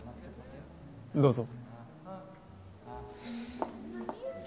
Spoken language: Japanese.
どうぞ。